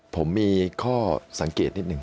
ผมมีข้อสังเกตนิดหนึ่ง